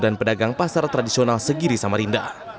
dan pedagang pasar tradisional segiri samarinda